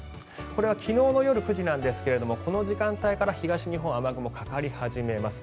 こちらは昨日夜９時ですがこの時間帯から東日本雨雲、かかり始めます。